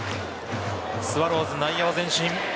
スワローズ、内野は前進。